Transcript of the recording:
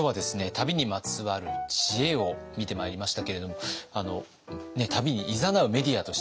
旅にまつわる知恵を見てまいりましたけれども旅にいざなうメディアとして宮田さん